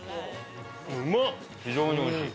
非常においしい。